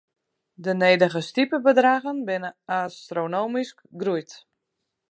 De nedige stipebedraggen binne astronomysk groeid.